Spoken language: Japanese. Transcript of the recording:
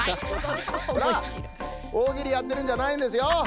おおぎりやってるんじゃないんですよ。